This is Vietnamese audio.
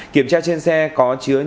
kiểm tra trên xe có chứa nhiều